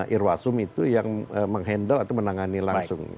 irwasum itu yang menghandle atau menangani langsung